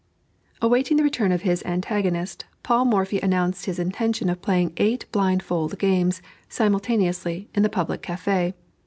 Awaiting the return of his antagonist, Paul Morphy announced his intention of playing eight blindfold games, simultaneously, in the public café.